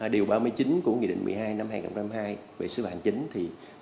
điều ba mươi chín của nghị định một mươi hai năm hai nghìn hai về xử phạt hành chính